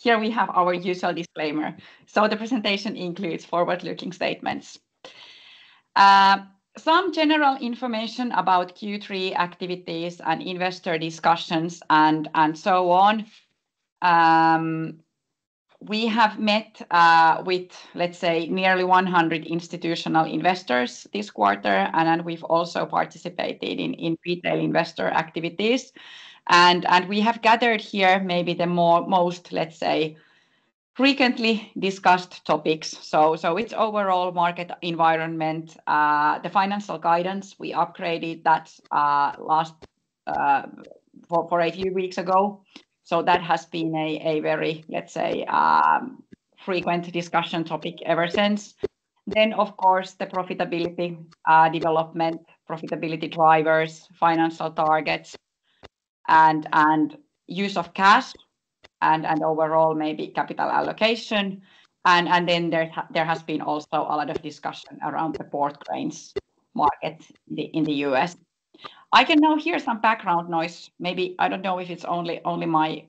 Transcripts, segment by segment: Here we have our usual disclaimer. The presentation includes forward-looking statements. Some general information about Q3 activities and investor discussions and so on. We have met with, let's say, nearly 100 institutional investors this quarter, and then we've also participated in retail investor activities. We have gathered here maybe the most, let's say, frequently discussed topics. It's overall market environment. The financial guidance, we upgraded that last four to eight weeks ago, so that has been a very, let's say, frequent discussion topic ever since. Of course, the profitability development, profitability drivers, financial targets, and use of cash, and overall maybe capital allocation. There has been also a lot of discussion around the port cranes market in the U.S. I can now hear some background noise. Maybe I don't know if it's only my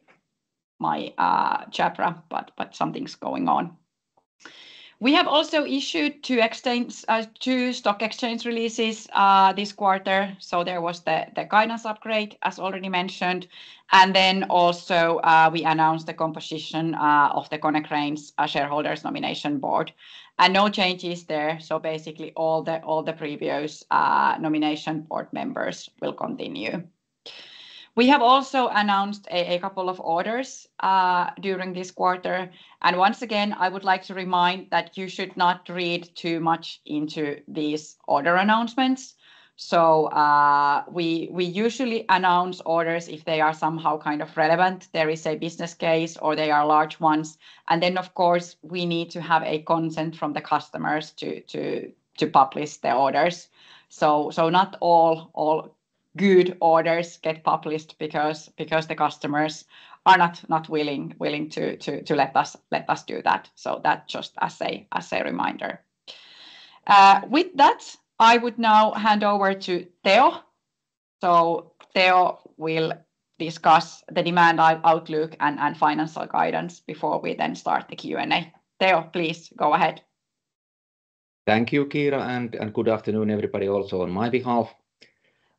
Jabra, but something's going on. We have also issued two stock exchange releases this quarter. There was the guidance upgrade, as already mentioned, and then also we announced the composition of the Konecranes Shareholders' Nomination Board. No changes there, so basically all the previous nomination board members will continue. We have also announced a couple of orders during this quarter, and once again, I would like to remind that you should not read too much into these order announcements. We usually announce orders if they are somehow kind of relevant. There is a business case, or they are large ones. And then, of course, we need to have consent from the customers to publish the orders. So not all good orders get published because the customers are not willing to let us do that. So that just as a reminder. With that, I would now hand over to Teo. So Teo will discuss the demand outlook and financial guidance before we then start the Q&A. Teo, please go ahead. Thank you, Kiira, and good afternoon, everybody, also on my behalf.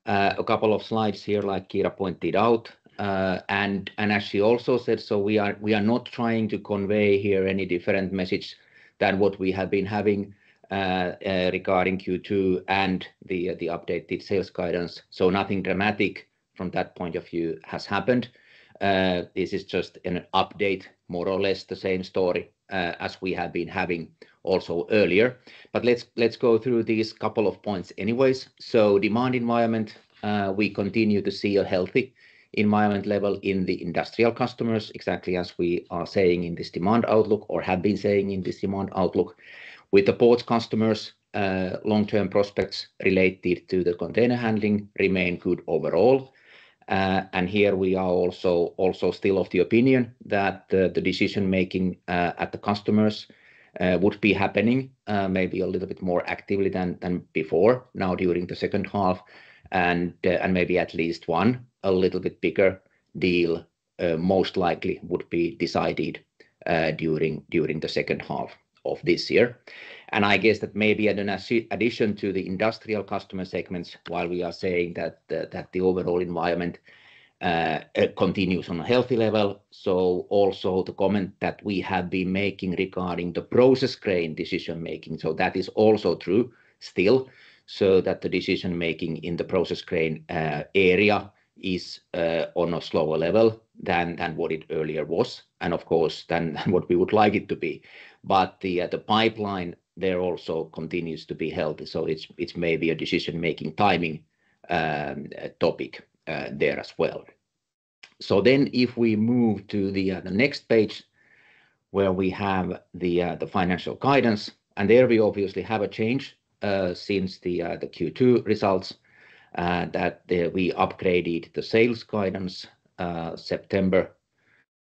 A couple of slides here, like Kira pointed out, and as she also said, so we are not trying to convey here any different message than what we have been having, regarding Q2 and the updated sales guidance, so nothing dramatic from that point of view has happened. This is just an update, more or less the same story, as we have been having also earlier, but let's go through these couple of points anyways. So demand environment, we continue to see a healthy environment level in the industrial customers, exactly as we are saying in this demand outlook or have been saying in this demand outlook. With the port customers, long-term prospects related to the container handling remain good overall. And here we are also still of the opinion that the decision-making at the customers would be happening maybe a little bit more actively than before now during the second half. And maybe at least one a little bit bigger deal most likely would be decided during the second half of this year. And I guess that maybe as an addition to the industrial customer segments, while we are saying that the overall environment continues on a healthy level, so also the comment that we have been making regarding the process crane decision-making, so that is also true still. So that the decision-making in the process crane area is on a slower level than what it earlier was, and of course, than what we would like it to be. The pipeline there also continues to be healthy, so it's maybe a decision-making timing topic there as well. If we move to the next page, where we have the financial guidance, and there we obviously have a change since the Q2 results that we upgraded the sales guidance September,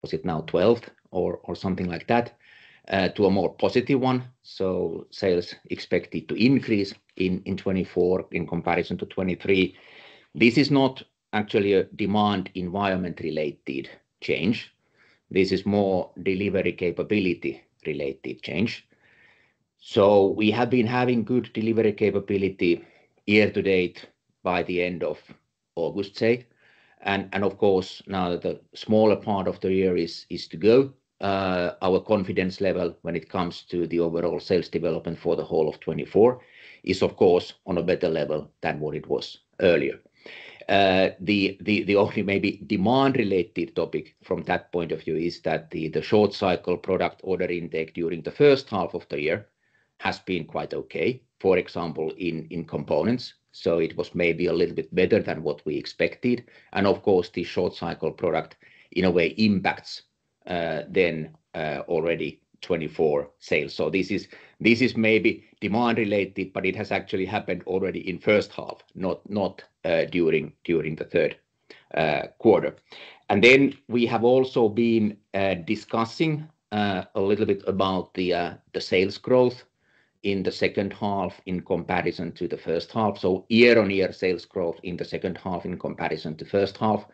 was it now, 12th or something like that, to a more positive one. Sales expected to increase in 2024 in comparison to 2023. This is not actually a demand environment-related change. This is more delivery capability-related change. We have been having good delivery capability year to date by the end of August, say. Of course, now that the smaller part of the year is to go, our confidence level when it comes to the overall sales development for the whole of 2024 is of course on a better level than what it was earlier. The only maybe demand-related topic from that point of view is that the short-cycle product order intake during the first half of the year has been quite okay, for example, in components. It was maybe a little bit better than what we expected. Of course, the short-cycle product, in a way, impacts then already 2024 sales. This is maybe demand-related, but it has actually happened already in first half, not during the third quarter. And then we have also been discussing a little bit about the sales growth in the second half in comparison to the first half, so year-on-year sales growth in the second half in comparison to first half.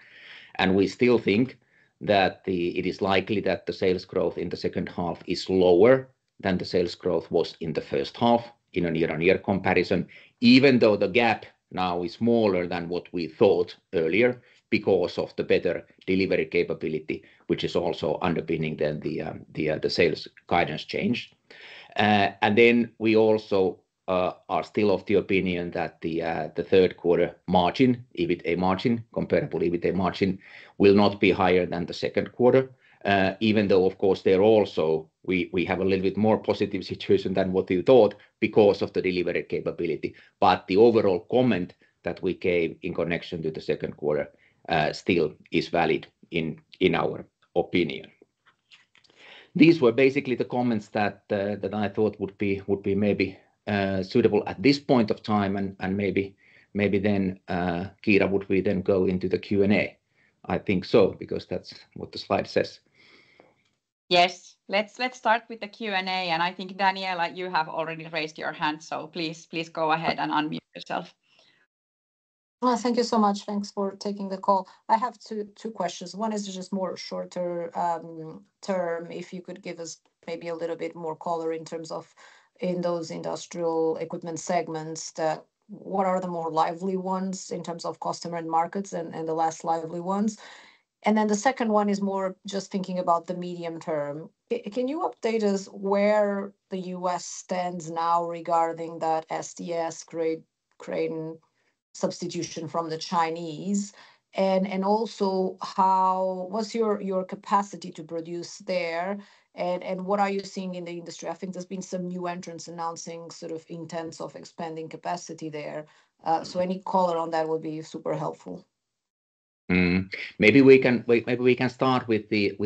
And we still think that it is likely that the sales growth in the second half is lower than the sales growth was in the first half in a year-on-year comparison, even though the gap now is smaller than what we thought earlier because of the better delivery capability, which is also underpinning then the sales guidance change. And then we also are still of the opinion that the third quarter margin, EBITA margin, comparable EBITA margin, will not be higher than the second quarter. Even though, of course, there also we have a little bit more positive situation than what we thought because of the delivery capability. But the overall comment that we gave in connection to the second quarter still is valid in our opinion. These were basically the comments that I thought would be maybe suitable at this point of time, and maybe then, Kiira, would we then go into the Q&A? I think so, because that's what the slide says. Yes. Let's start with the Q&A, and I think, Daniela, you have already raised your hand, so please go ahead and unmute yourself. Thank you so much. Thanks for taking the call. I have two questions. One is just more shorter term, if you could give us maybe a little bit more color in terms of in those industrial equipment segments, that what are the more lively ones in terms of customer and markets and, and the less lively ones? And then the second one is more just thinking about the medium term. Can you update us where the U.S. stands now regarding that STS grade crane substitution from the Chinese? And, and also, how... What's your, your capacity to produce there, and, and what are you seeing in the industry? I think there's been some new entrants announcing sort of intents of expanding capacity there. So any color on that would be super helpful. Maybe we can start with the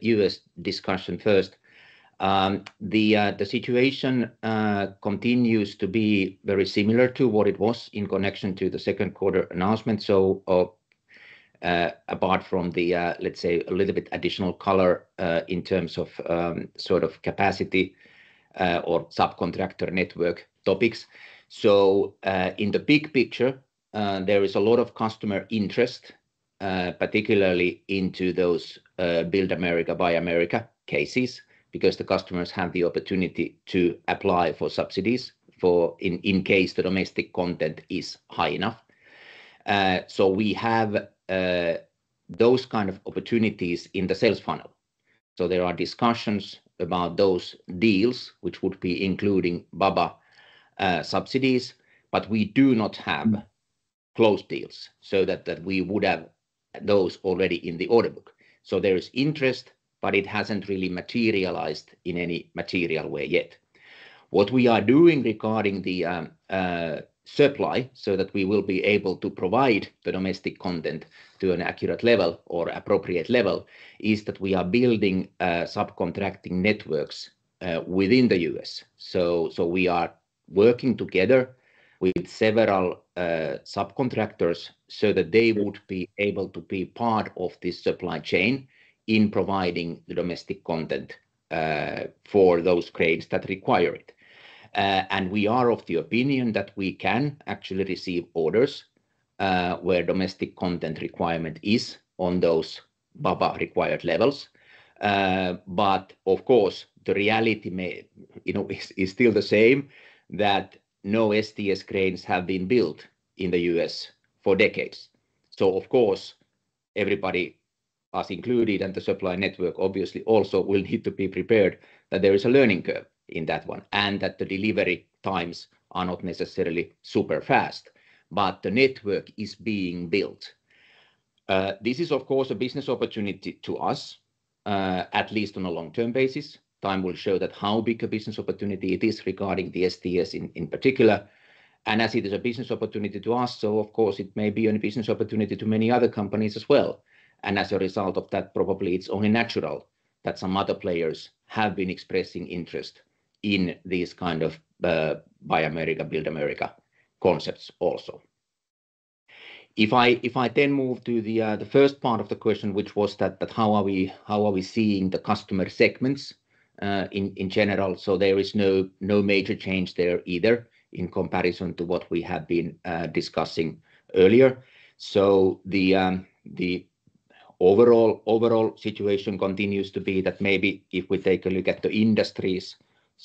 U.S. discussion first. The situation continues to be very similar to what it was in connection to the second quarter announcement, so apart from the, let's say, a little bit additional color in terms of sort of capacity or subcontractor network topics. In the big picture there is a lot of customer interest particularly into those Build America, Buy America cases, because the customers have the opportunity to apply for subsidies for in case the domestic content is high enough. We have those kind of opportunities in the sales funnel. So there are discussions about those deals, which would be including BABA subsidies, but we do not have closed deals, so that we would have those already in the order book. So there is interest, but it hasn't really materialized in any material way yet. What we are doing regarding the supply, so that we will be able to provide the domestic content to an accurate level or appropriate level, is that we are building subcontracting networks within the U.S. So we are working together with several subcontractors, so that they would be able to be part of this supply chain in providing the domestic content for those cranes that require it. And we are of the opinion that we can actually receive orders where domestic content requirement is on those BABA-required levels. But of course, the reality may, you know, is still the same, that no STS cranes have been built in the U.S. for decades. So of course, everybody, us included, and the supply network, obviously, also will need to be prepared that there is a learning curve in that one, and that the delivery times are not necessarily super fast. But the network is being built. This is, of course, a business opportunity to us, at least on a long-term basis. Time will show that how big a business opportunity it is regarding the STS in particular. And as it is a business opportunity to us, so of course, it may be a business opportunity to many other companies as well. As a result of that, probably it's only natural that some other players have been expressing interest in these kind of Build America, Buy America concepts also. If I then move to the first part of the question, which was that how are we seeing the customer segments in general? There is no major change there either, in comparison to what we have been discussing earlier. The overall situation continues to be that maybe if we take a look at the industries,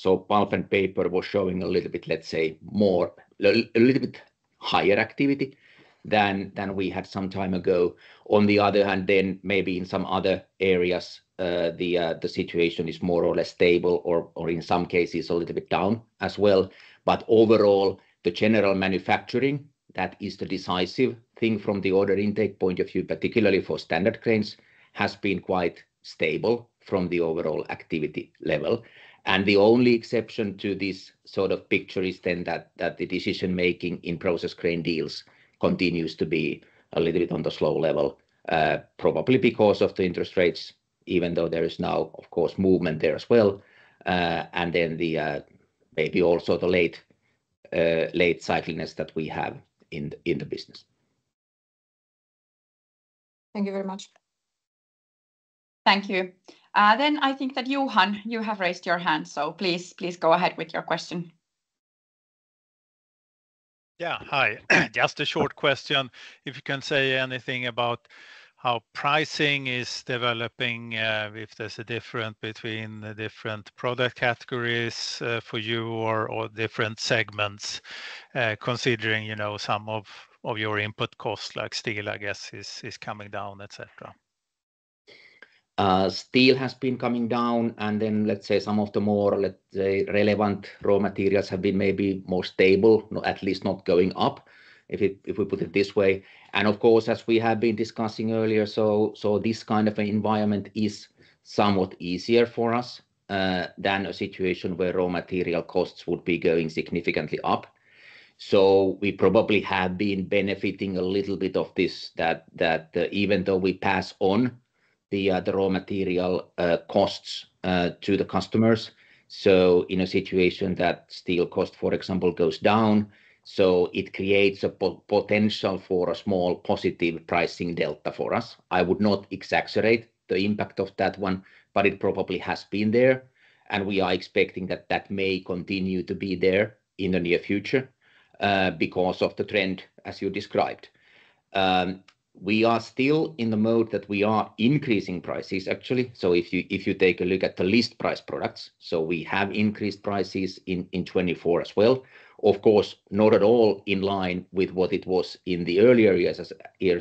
pulp and paper was showing a little bit, let's say, more a little bit higher activity than we had some time ago. On the other hand, then maybe in some other areas, the situation is more or less stable or, or in some cases, a little bit down as well. But overall, the general manufacturing, that is the decisive thing from the order intake point of view, particularly for standard cranes, has been quite stable from the overall activity level. And the only exception to this sort of picture is then that the decision-making in process crane deals continues to be a little bit on the slow level, probably because of the interest rates, even though there is now, of course, movement there as well. And then maybe also the late cyclicality that we have in the business. Thank you very much. Thank you, then I think that, Johan, you have raised your hand, so please, please go ahead with your question. Yeah. Hi. Just a short question. If you can say anything about how pricing is developing, if there's a difference between the different product categories, for you or different segments, considering, you know, some of your input costs, like steel, I guess, is coming down, et cetera. Steel has been coming down, and then let's say some of the more, let's say, relevant raw materials have been maybe more stable, at least not going up, if we put it this way. And of course, as we have been discussing earlier, so this kind of environment is somewhat easier for us than a situation where raw material costs would be going significantly up. So we probably have been benefiting a little bit of this, that even though we pass on the raw material costs to the customers, so in a situation that steel cost, for example, goes down, so it creates a potential for a small positive pricing delta for us. I would not exaggerate the impact of that one, but it probably has been there, and we are expecting that that may continue to be there in the near future, because of the trend, as you described. We are still in the mode that we are increasing prices, actually, so if you take a look at the list price products, we have increased prices in 2024 as well. Of course, not at all in line with what it was in the earlier years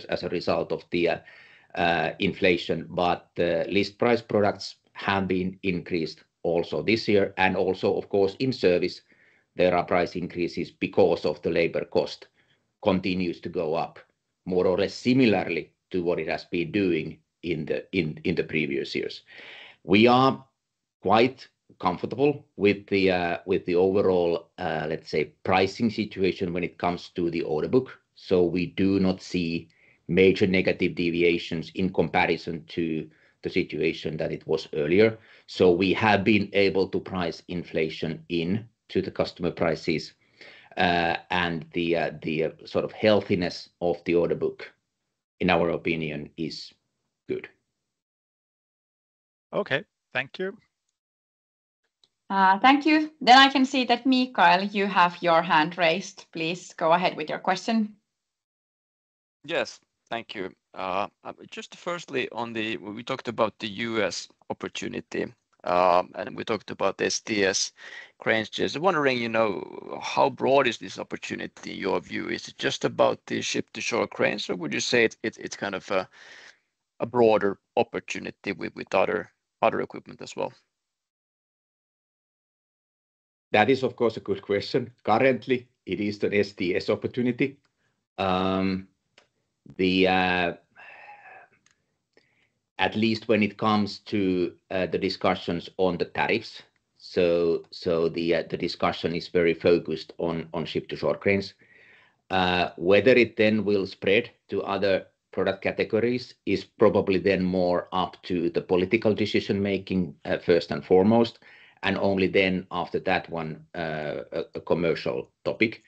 as a result of the inflation, but the list price products have been increased also this year, and also, of course, in service, there are price increases because of the labor cost continues to go up, more or less similarly to what it has been doing in the previous years. We are quite comfortable with the overall, let's say, pricing situation when it comes to the order book. So we do not see major negative deviations in comparison to the situation that it was earlier. So we have been able to price inflation in to the customer prices, and the sort of healthiness of the order book, in our opinion, is good. Okay. Thank you. Thank you. Then I can see that, Mikael, you have your hand raised. Please go ahead with your question. Yes. Thank you. Just firstly, on the... We talked about the U.S. opportunity, and we talked about STS cranes. Just wondering, you know, how broad is this opportunity in your view? Is it just about the ship-to-shore cranes, or would you say it's a broader opportunity with other equipment as well? That is, of course, a good question. Currently, it is an STS opportunity. At least when it comes to the discussions on the tariffs. So the discussion is very focused on ship-to-shore cranes. Whether it then will spread to other product categories is probably then more up to the political decision-making first and foremost, and only then after that one a commercial topic.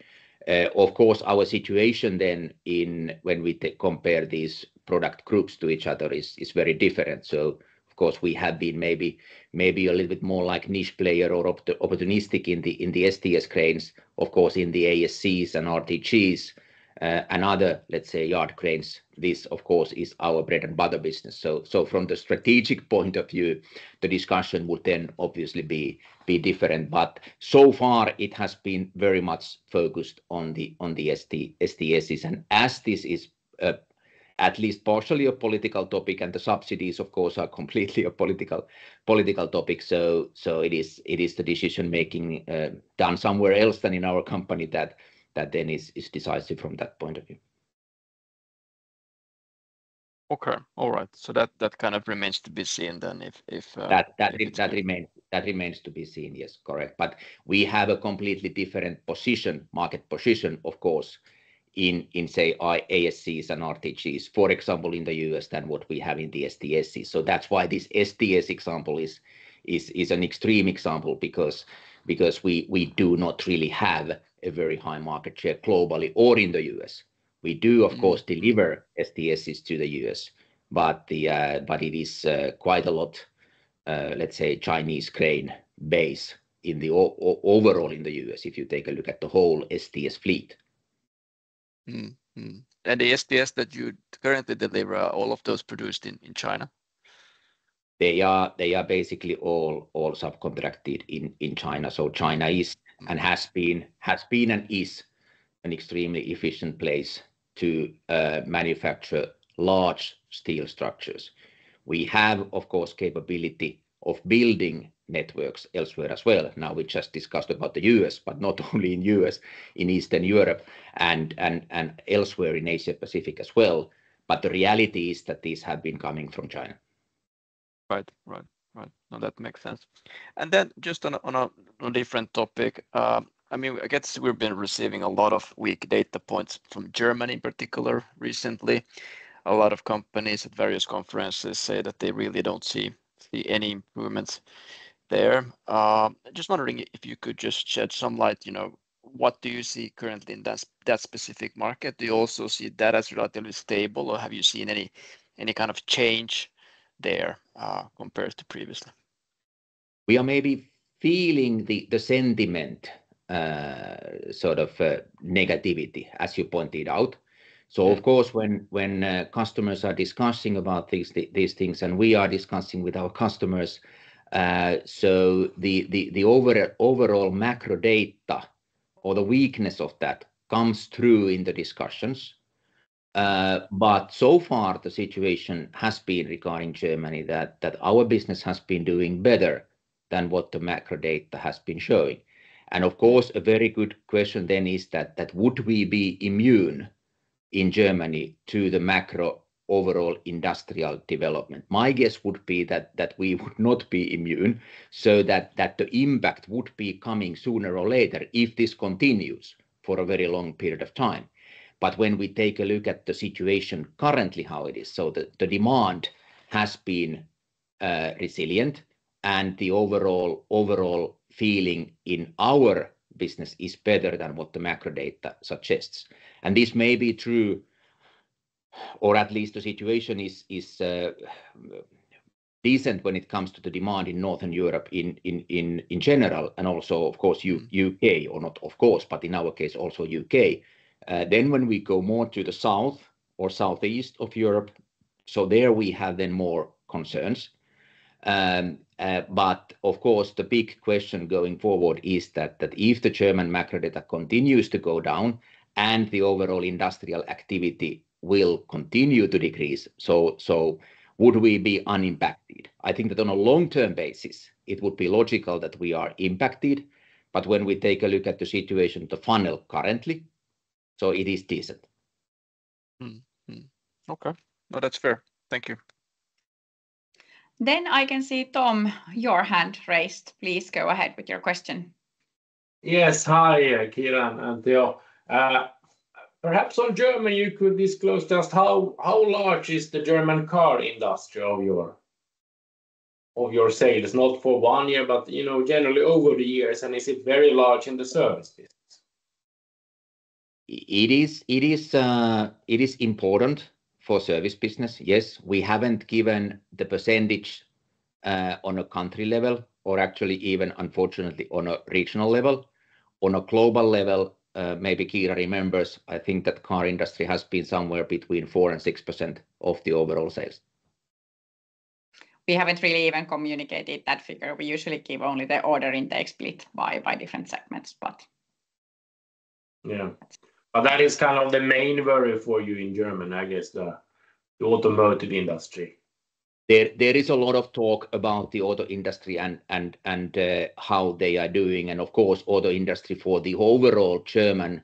Of course, our situation then in when we compare these product groups to each other is very different. So of course, we have been maybe, maybe a little bit more like niche player or opportunistic in the STS cranes. Of course, in the ASCs and RTGs and other, let's say, yard cranes, this of course is our bread-and-butter business. So from the strategic point of view, the discussion would then obviously be different, but so far it has been very much focused on the STSs. And as this is at least partially a political topic, and the subsidies, of course, are completely a political topic, so it is the decision-making done somewhere else than in our company that then is decisive from that point of view. Okay. All right. So that kind of remains to be seen then, if That remains to be seen, yes, correct. But we have a completely different position, market position, of course, in say, our ASCs and RTGs, for example, in the U.S. than what we have in the STSs. So that's why this STS example is an extreme example, because we do not really have a very high market share globally or in the U.S. We do, of course, deliver STSs to the U.S., but it is quite a lot, let's say, Chinese crane base in the overall in the U.S., if you take a look at the whole STS fleet. Mm-hmm. Mm-hmm. And the STS that you currently deliver, are all of those produced in China? They are basically all subcontracted in China. So China is, and has been and is an extremely efficient place to manufacture large steel structures. We have, of course, capability of building networks elsewhere as well. Now, we just discussed about the U.S., but not only in U.S., in Eastern Europe and elsewhere in Asia Pacific as well. But the reality is that these have been coming from China. Right. No, that makes sense. And then just on a different topic, I mean, I guess we've been receiving a lot of weak data points from Germany in particular recently. A lot of companies at various conferences say that they really don't see any movement there. Just wondering if you could just shed some light, you know, on what do you see currently in that specific market? Do you also see that as relatively stable, or have you seen any kind of change there, compared to previously? We are maybe feeling the sentiment, sort of, negativity, as you pointed out. So of course, when customers are discussing about these things, and we are discussing with our customers, so the overall macro data or the weakness of that comes through in the discussions. But so far the situation has been regarding Germany, that our business has been doing better than what the macro data has been showing. And of course, a very good question then is that, would we be immune in Germany to the macro overall industrial development? My guess would be that we would not be immune, so that the impact would be coming sooner or later if this continues for a very long period of time. But when we take a look at the situation currently, how it is, so the demand has been resilient, and the overall feeling in our business is better than what the macro data suggests. This may be true, or at least the situation is decent when it comes to the demand in Northern Europe in general, and also, of course, U.K., or not of course, but in our case, also U.K. When we go more to the south or southeast of Europe, there we have more concerns. Of course, the big question going forward is that if the German macro data continues to go down and the overall industrial activity will continue to decrease, would we be unimpacted? I think that on a long-term basis, it would be logical that we are impacted. But when we take a look at the situation, the funnel currently, so it is decent. Mm-hmm. Okay. No, that's fair. Thank you. Then I can see, Tom, your hand raised. Please go ahead with your question. Yes. Hi, Kiira and Teo. Perhaps on Germany, you could disclose just how large is the German car industry of your... of your sales? Not for one year, but, you know, generally over the years, and is it very large in the service business? It is important for service business. Yes. We haven't given the percentage on a country level or actually even unfortunately on a regional level. On a global level, maybe Kira remembers. I think that car industry has been somewhere between 4% and 6% of the overall sales. We haven't really even communicated that figure. We usually give only the order intake split by different segments, but... Yeah. But that is kind of the main worry for you in Germany, I guess, the automotive industry. There is a lot of talk about the auto industry and how they are doing. And of course, auto industry for the overall German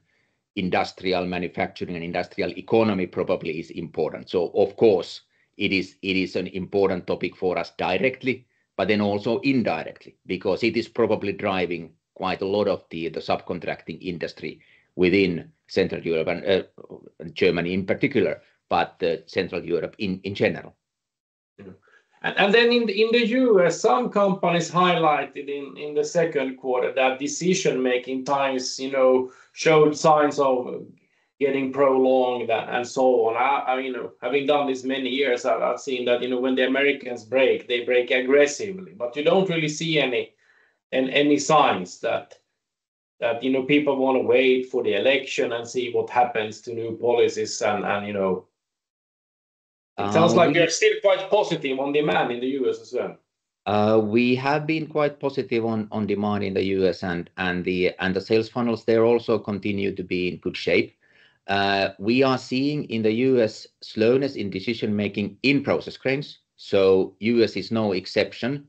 industrial manufacturing and industrial economy probably is important. So of course, it is an important topic for us directly, but then also indirectly, because it is probably driving quite a lot of the subcontracting industry within Central Europe and Germany in particular, but Central Europe in general. Yeah. And then in the U.S., some companies highlighted in the second quarter that decision-making times, you know, showed signs of getting prolonged and so on. I, you know, having done this many years, I've seen that, you know, when the Americans break, they break aggressively. But you don't really see any signs that, you know, people want to wait for the election and see what happens to new policies and, you know... Um- Sounds like you're still quite positive on demand in the U.S. as well. We have been quite positive on demand in the U.S., and the sales funnels there also continue to be in good shape. We are seeing in the U.S. slowness in decision-making in process cranes, so U.S. is no exception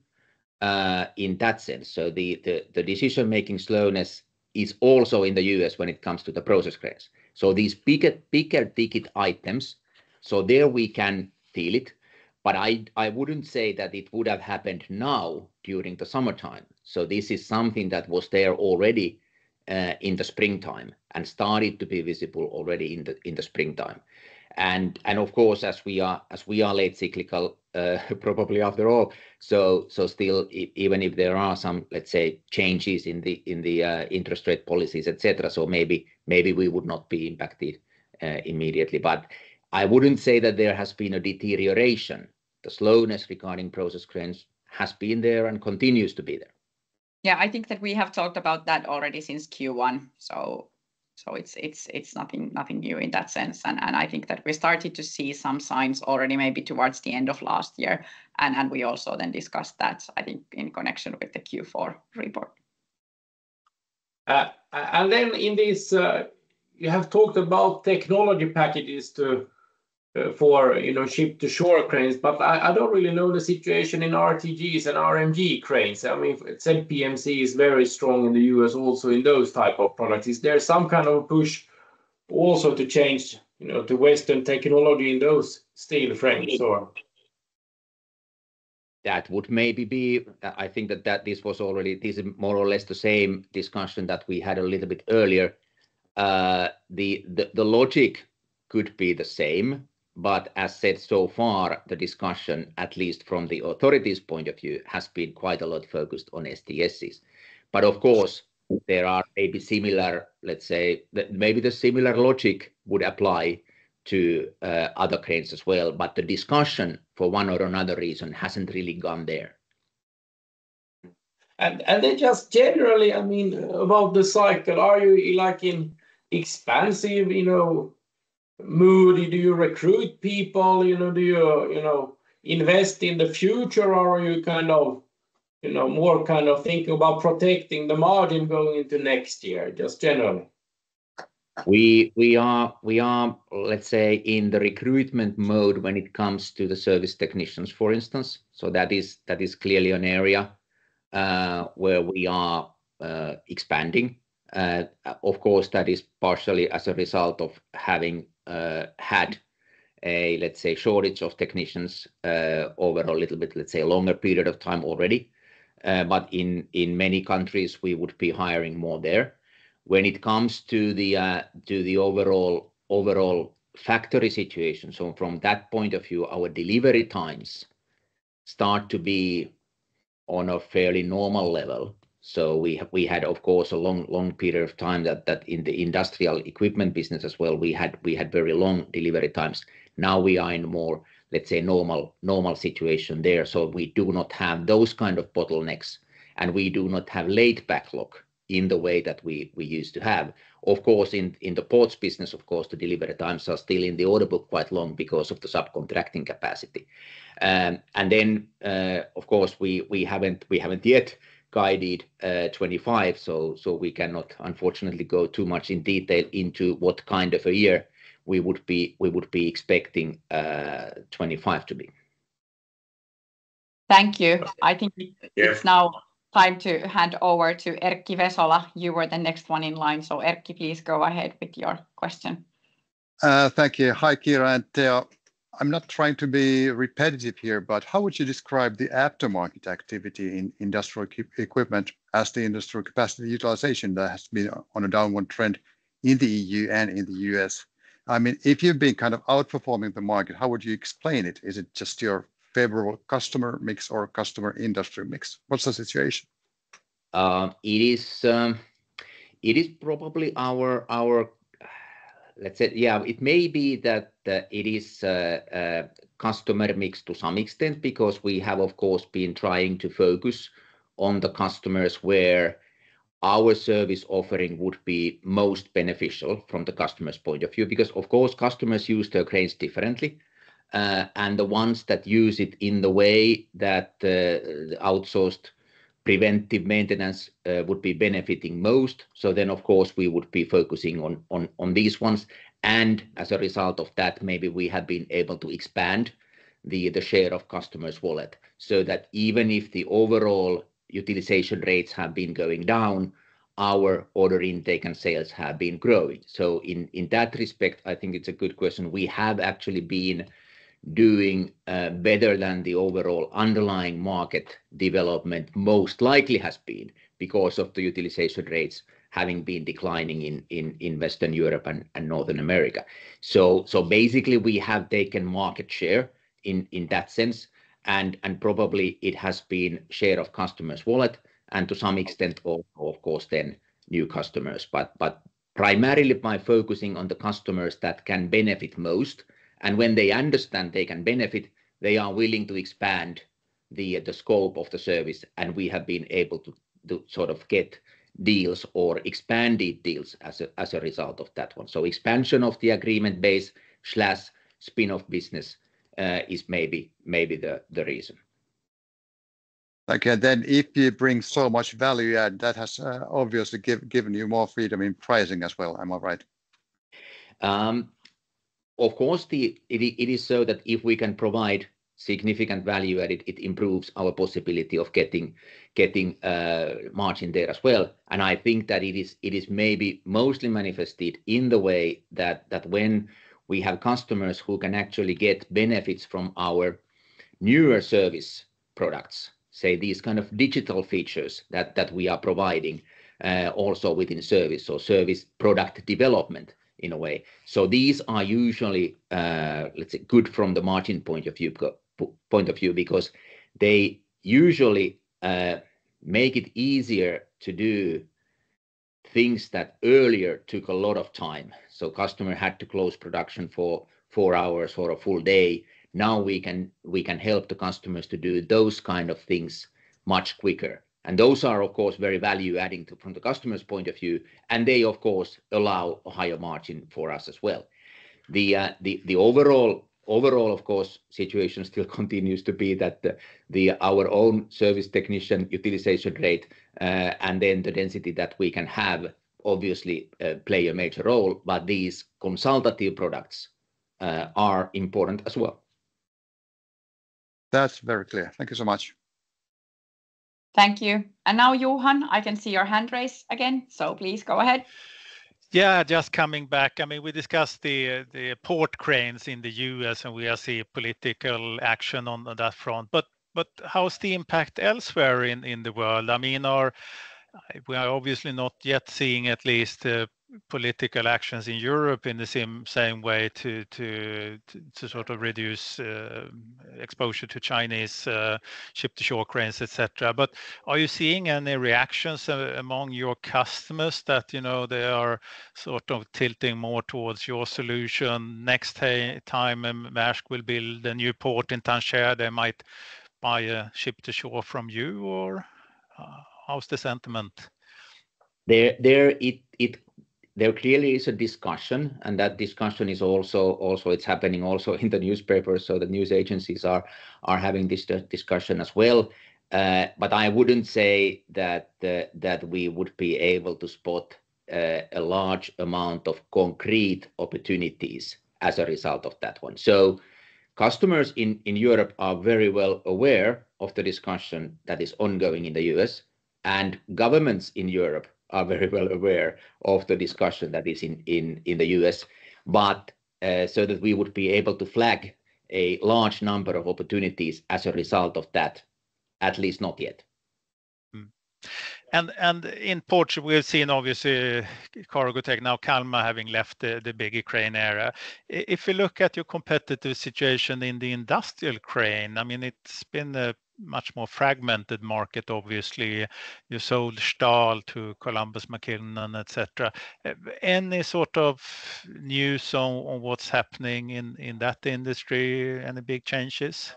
in that sense. So the decision-making slowness is also in the U.S. when it comes to the process cranes. So these bigger ticket items, so there we can feel it, but I wouldn't say that it would have happened now during the summertime. So this is something that was there already in the springtime and started to be visible already in the springtime. And of course, as we are late cyclical, probably after all, so still, even if there are some, let's say, changes in the interest rate policies, et cetera, so maybe we would not be impacted immediately. But I wouldn't say that there has been a deterioration. The slowness regarding process cranes has been there and continues to be there. Yeah, I think that we have talked about that already since Q1, so it's nothing new in that sense. And I think that we started to see some signs already, maybe towards the end of last year, and we also then discussed that, I think, in connection with the Q4 report. And then in this, you have talked about technology packages to for, you know, ship-to-shore cranes, but I don't really know the situation in RTGs and RMG cranes. I mean, ZPMC is very strong in the U.S., also in those type of products. Is there some kind of push also to change, you know, to Western technology in those steel frames, or? That would maybe be. I think that this is more or less the same discussion that we had a little bit earlier. The logic could be the same, but as said so far, the discussion, at least from the authorities' point of view, has been quite a lot focused on STSs. But of course, there are maybe similar, let's say, that maybe the similar logic would apply to other cranes as well, but the discussion, for one or another reason, hasn't really gone there. Then just generally, I mean, about the cycle, are you like in expansive, you know, mood? Do you recruit people, you know? Do you, you know, invest in the future, or are you kind of, you know, more kind of thinking about protecting the margin going into next year, just generally? We are, let's say, in the recruitment mode when it comes to the service technicians, for instance. So that is clearly an area where we are expanding. Of course, that is partially as a result of having had a, let's say, shortage of technicians over a little bit, let's say, a longer period of time already. But in many countries, we would be hiring more there. When it comes to the overall factory situation, so from that point of view, our delivery times start to be on a fairly normal level. So we had, of course, a long period of time that in the industrial equipment business as well, we had very long delivery times. Now, we are in more, let's say, normal situation there. So we do not have those kind of bottlenecks, and we do not have late backlog in the way that we used to have. Of course, in the ports business, of course, the delivery times are still in the order book quite long because of the subcontracting capacity. And then, of course, we haven't yet guided 2025, so we cannot unfortunately go too much in detail into what kind of a year we would be expecting 2025 to be. Thank you. I think- Yeah... it's now time to hand over to Erkki Vesola. You were the next one in line. So Erkki, please go ahead with your question. Thank you. Hi, Kiira and Teo. I'm not trying to be repetitive here, but how would you describe the aftermarket activity in industrial equipment as the industrial capacity utilization that has been on a downward trend in the E.U. and in the U.S.? I mean, if you've been kind of outperforming the market, how would you explain it? Is it just your favorable customer mix or customer industry mix? What's the situation? It is probably our customer mix to some extent because we have, of course, been trying to focus on the customers where our service offering would be most beneficial from the customer's point of view. Because, of course, customers use their cranes differently, and the ones that use it in the way that the outsourced preventive maintenance would be benefiting most. So then, of course, we would be focusing on these ones, and as a result of that, maybe we have been able to expand the share of customers' wallet, so that even if the overall utilization rates have been going down, our order intake and sales have been growing. So in that respect, I think it's a good question. We have actually been doing better than the overall underlying market development most likely has been because of the utilization rates having been declining in Western Europe and Northern America. Basically, we have taken market share in that sense, and probably it has been share of customers' wallet and to some extent, of course, then new customers. But primarily by focusing on the customers that can benefit most, and when they understand they can benefit, they are willing to expand the scope of the service, and we have been able to sort of get deals or expanded deals as a result of that one. Expansion of the agreement base slash spin-off business is maybe the reason. Okay, then if you bring so much value add, that has obviously given you more freedom in pricing as well, am I right? Of course, it is so that if we can provide significant value, and it improves our possibility of getting margin there as well. And I think that it is maybe mostly manifested in the way that when we have customers who can actually get benefits from our newer service products, say, these kind of digital features that we are providing also within service or service product development in a way. So these are usually, let's say, good from the margin point of view, because they usually make it easier to do things that earlier took a lot of time. So customer had to close production for four hours or a full day. Now, we can help the customers to do those kind of things much quicker. And those are, of course, very value-adding to... from the customer's point of view, and they, of course, allow a higher margin for us as well. The overall, of course, situation still continues to be that our own service technician utilization rate and then the density that we can have obviously play a major role, but these consultative products are important as well. That's very clear. Thank you so much. Thank you. Now, Johan, I can see your hand raised again, so please go ahead. Yeah, just coming back. I mean, we discussed the port cranes in the U.S., and we are seeing political action on that front, but how is the impact elsewhere in the world? I mean, we are obviously not yet seeing at least political actions in Europe in the same way to sort of reduce exposure to Chinese ship-to-shore cranes, et cetera. But are you seeing any reactions among your customers that, you know, they are sort of tilting more towards your solution? Next time, Maersk will build a new port in Tangier, they might buy a ship-to-shore from you, or how's the sentiment? There clearly is a discussion, and that discussion is also happening in the newspaper, so the news agencies are having this discussion as well. But I wouldn't say that we would be able to spot a large amount of concrete opportunities as a result of that one, so customers in Europe are very well aware of the discussion that is ongoing in the U.S., and governments in Europe are very well aware of the discussion that is in the U.S., but so that we would be able to flag a large number of opportunities as a result of that, at least not yet. And in ports, we have seen, obviously, Cargotec, now Kalmar, having left the big crane area. If you look at your competitive situation in the industrial crane, I mean, it's been a much more fragmented market, obviously. You sold Stahl to Columbus McKinnon, et cetera. Any sort of news on what's happening in that industry? Any big changes?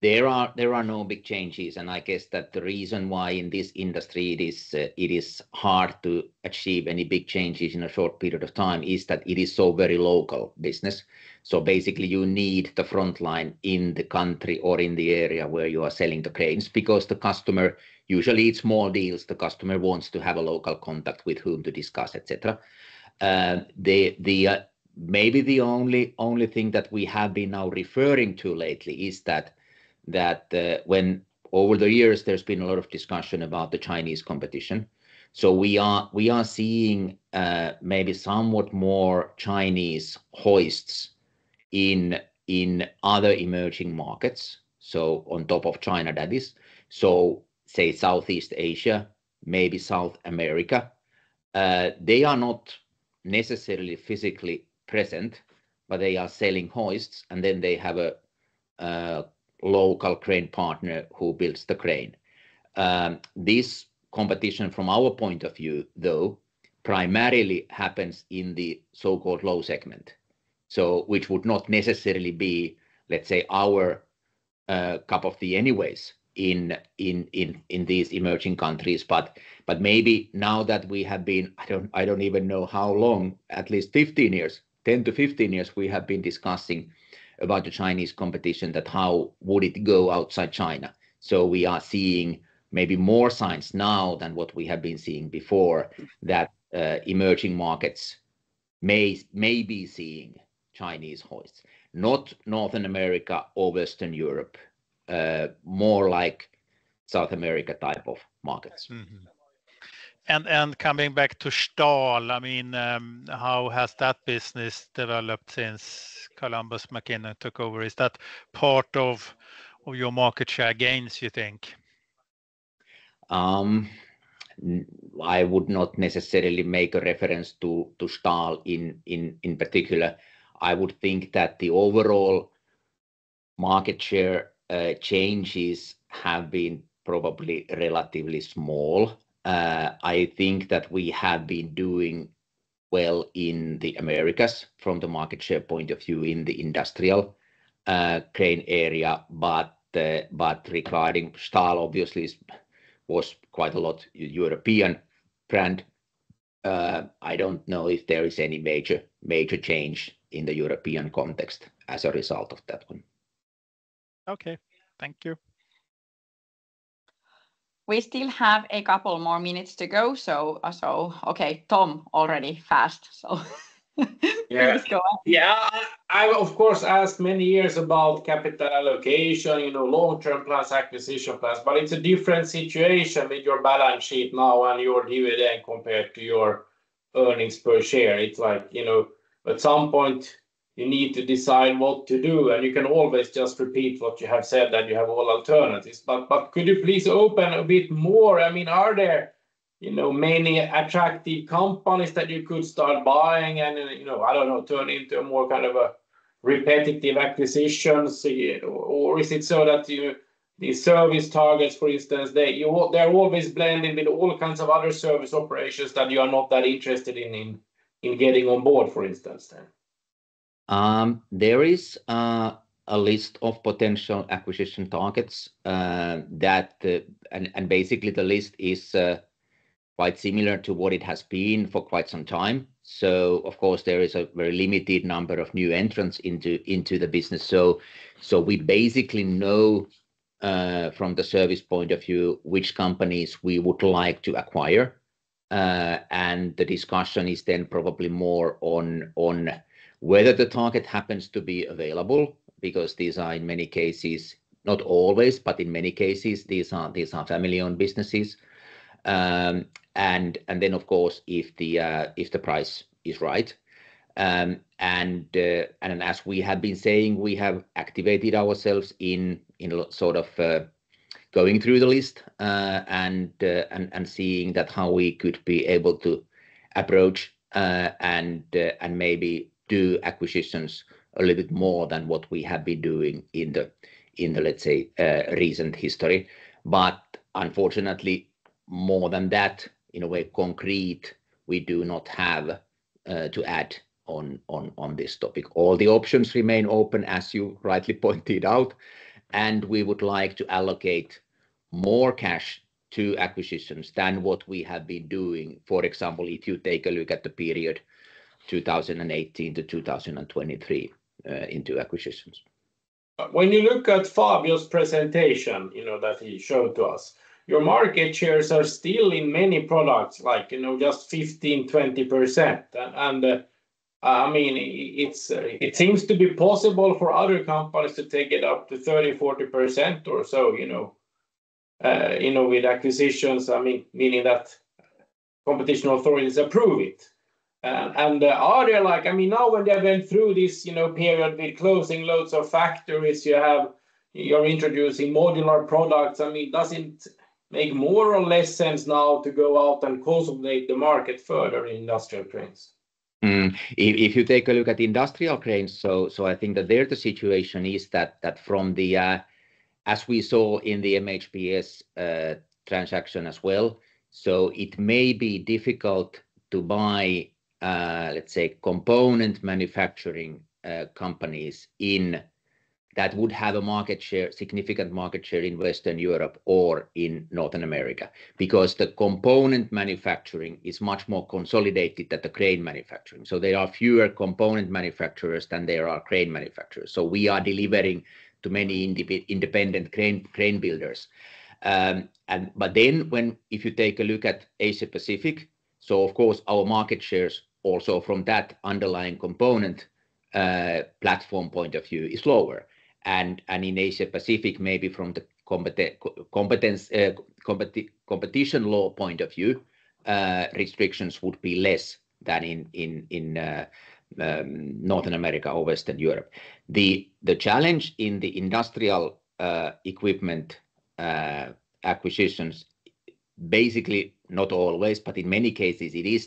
There are no big changes, and I guess that the reason why in this industry it is hard to achieve any big changes in a short period of time is that it is so very local business. So basically, you need the front line in the country or in the area where you are selling the cranes, because the customer usually it's small deals. The customer wants to have a local contact with whom to discuss, etc. Maybe the only thing that we have been now referring to lately is that when over the years, there's been a lot of discussion about the Chinese competition. So we are seeing maybe somewhat more Chinese hoists in other emerging markets, so on top of China, that is. So say, Southeast Asia, maybe South America. They are not necessarily physically present, but they are selling hoists, and then they have a local crane partner who builds the crane. This competition, from our point of view, though, primarily happens in the so-called low segment. So which would not necessarily be, let's say, our cup of tea anyway, in these emerging countries. But maybe now that we have been, I don't even know how long, at least 15 years, 10 to 15 years, we have been discussing about the Chinese competition, that how would it go outside China. So we are seeing maybe more signs now than what we have been seeing before, that emerging markets may be seeing Chinese hoists. Not Northern America or Western Europe, more like South America type of markets. Mm-hmm. And coming back to Stahl, I mean, how has that business developed since Columbus McKinnon took over? Is that part of your market share gains, you think? I would not necessarily make a reference to Stahl in particular. I would think that the overall market share changes have been probably relatively small. I think that we have been doing well in the Americas from the market share point of view in the industrial crane area. But regarding Stahl, obviously was quite a lot European brand. I don't know if there is any major change in the European context as a result of that one. Okay. Thank you. We still have a couple more minutes to go, so okay, Tom, already fast, so. Yeah. Please go on. Yeah, I, of course, asked many years about capital allocation, you know, long-term plans, acquisition plans, but it's a different situation with your balance sheet now and your dividend compared to your earnings per share. It's like, you know, at some point, you need to decide what to do, and you can always just repeat what you have said, that you have all alternatives. But could you please open a bit more? I mean, are there, you know, many attractive companies that you could start buying and, you know, I don't know, turn into a more kind of a repetitive acquisitions? Or is it so that you... The service targets, for instance, they're always blending with all kinds of other service operations that you are not that interested in, in getting on board, for instance, then. There is a list of potential acquisition targets, and basically, the list is quite similar to what it has been for quite some time, so of course, there is a very limited number of new entrants into the business, so we basically know from the service point of view which companies we would like to acquire, and the discussion is then probably more on whether the target happens to be available, because these are, in many cases, not always, but in many cases, these are family-owned businesses, and then, of course, if the price is right. As we have been saying, we have activated ourselves in sort of going through the list and seeing how we could be able to approach and maybe do acquisitions a little bit more than what we have been doing in the, let's say, recent history. But unfortunately, more than that, in a way concrete, we do not have to add on this topic. All the options remain open, as you rightly pointed out, and we would like to allocate more cash to acquisitions than what we have been doing. For example, if you take a look at the period 2018 to 2023 into acquisitions. When you look at Fabio's presentation, you know, that he showed to us, your market shares are still in many products, like, you know, just 15%-20%. And I mean, it seems to be possible for other companies to take it up to 30%-40% or so, you know, with acquisitions. I mean, meaning that competition authorities approve it. And are they like? I mean, now when they have been through this, you know, period with closing loads of factories, you have. You're introducing modular products. I mean, does it make more or less sense now to go out and consolidate the market further in industrial cranes? If you take a look at industrial cranes, so I think that the situation is that from the... As we saw in the MHPS transaction as well, so it may be difficult to buy, let's say, component manufacturing companies in that would have a significant market share in Western Europe or in Northern America. Because the component manufacturing is much more consolidated than the crane manufacturing. So there are fewer component manufacturers than there are crane manufacturers. So we are delivering to many independent crane builders. And but then when... If you take a look at Asia Pacific, so of course, our market shares also from that underlying component platform point of view is lower. And in Asia Pacific, maybe from the competition law point of view, restrictions would be less than in Northern America or Western Europe. The challenge in the industrial equipment acquisitions, basically, not always, but in many cases it is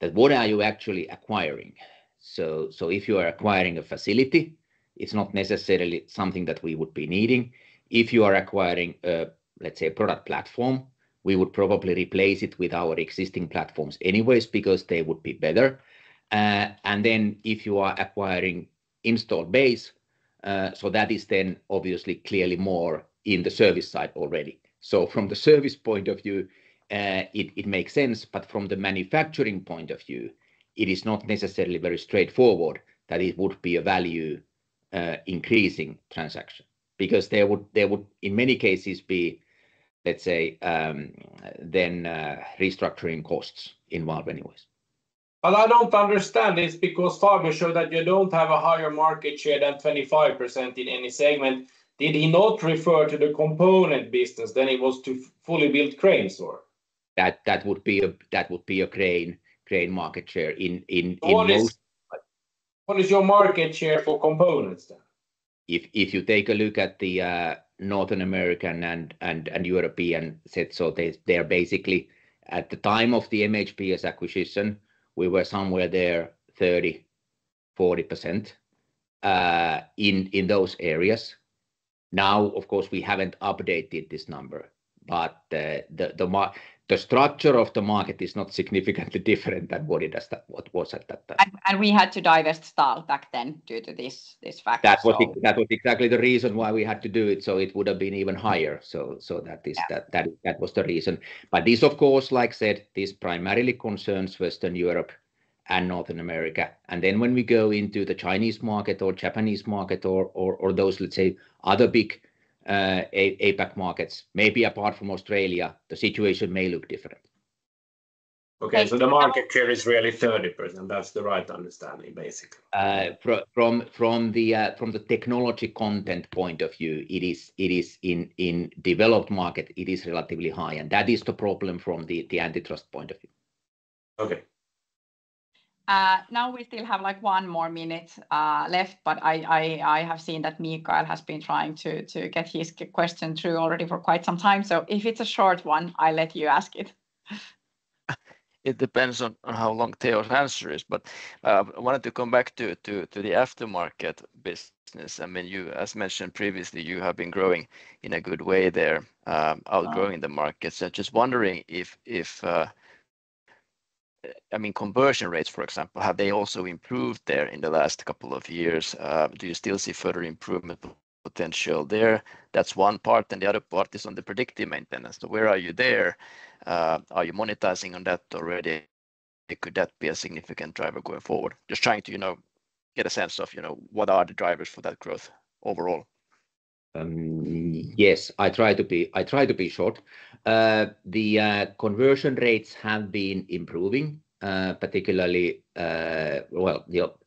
that what are you actually acquiring? So if you are acquiring a facility, it's not necessarily something that we would be needing. If you are acquiring, let's say, a product platform, we would probably replace it with our existing platforms anyways because they would be better. And then if you are acquiring installed base, so that is then obviously clearly more in the service side already. So from the service point of view, it makes sense, but from the manufacturing point of view, it is not necessarily very straightforward that it would be a value increasing transaction. Because there would, in many cases, be, let's say, restructuring costs involved anyways. But I don't understand this, because Fabio showed that you don't have a higher market share than 25% in any segment. Did he not refer to the component business than it was to fully built cranes, or? That would be a crane market share in most- What is your market share for components, then? If you take a look at the Northern America and European set, so they, they're basically, at the time of the MHPS acquisition, we were somewhere there 30%-40% in those areas. Now, of course, we haven't updated this number, but the structure of the market is not significantly different than what it was at that time. We had to divest Stahl back then due to this factor, so- That was exactly the reason why we had to do it, so it would have been even higher. So that is- Yeah... that was the reason. But this, of course, like I said, this primarily concerns Western Europe and Northern America. And then when we go into the Chinese market or Japanese market or those, let's say, other big APAC markets, maybe apart from Australia, the situation may look different. Okay, so the market share is really 30%. That's the right understanding, basically. From the technology content point of view, it is in developed market, it is relatively high, and that is the problem from the antitrust point of view. Okay. Now we still have, like, one more minute left, but I have seen that Mikael has been trying to get his question through already for quite some time. So if it's a short one, I'll let you ask it. It depends on how long Teo's answer is, but I wanted to come back to the aftermarket business. I mean, you, as mentioned previously, you have been growing in a good way there, outgrowing the market. So just wondering if, I mean, conversion rates, for example, have they also improved there in the last couple of years? Do you still see further improvement potential there? That's one part, and the other part is on the predictive maintenance. So where are you there? Are you monetizing on that already? Could that be a significant driver going forward? Just trying to, you know, get a sense of, you know, what are the drivers for that growth overall. Yes, I try to be short. The conversion rates have been improving, particularly.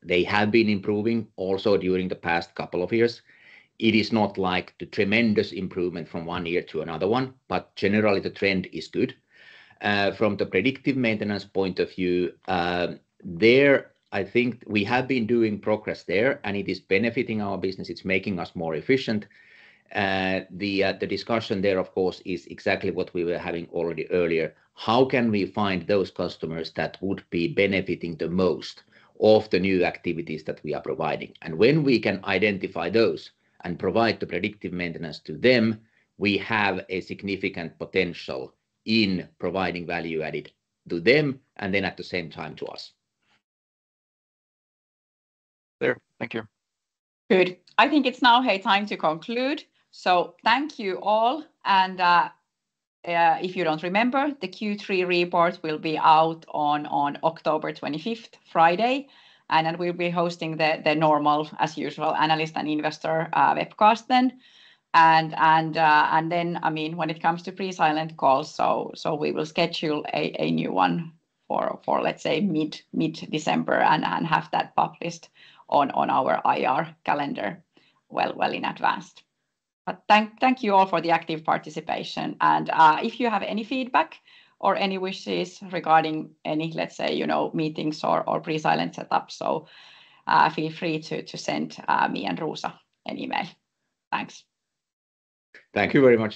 They have been improving also during the past couple of years. It is not like the tremendous improvement from one year to another one, but generally, the trend is good. From the predictive maintenance point of view, I think we have been doing progress there, and it is benefiting our business. It's making us more efficient. The discussion there, of course, is exactly what we were having already earlier. How can we find those customers that would be benefiting the most of the new activities that we are providing? When we can identify those and provide the predictive maintenance to them, we have a significant potential in providing value added to them, and then at the same time, to us. Clear. Thank you. Good. I think it's now, hey, time to conclude. So thank you all, and if you don't remember, the Q3 report will be out on October 25th, Friday. And then we'll be hosting the normal, as usual, analyst and investor webcast then. And then, I mean, when it comes to pre-silent calls, so we will schedule a new one for, let's say, mid-December and have that published on our IR calendar well in advance. But thank you all for the active participation. And if you have any feedback or any wishes regarding any, let's say, you know, meetings or pre-silent set up, so feel free to send me and Rosa an email. Thanks. Thank you very much.